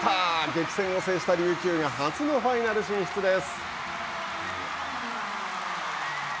激戦を制した琉球が初のファイナル進出です。